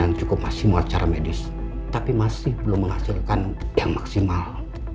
yang cukup maksimal secara medis tapi masih belum menghasilkan yang maksimal